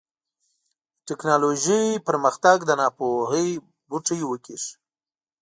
د ټيکنالوژۍ پرمختګ د ناپوهۍ بوټی وکېښ.